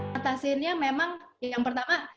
fantasinya memang yang pertama